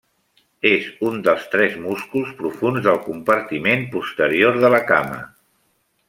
És un dels tres músculs profunds del compartiment posterior de la cama.